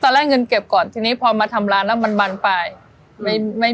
ตอนแรกเงินเก็บก่อนทีนี้พอมาทำร้านแล้วมันบันไป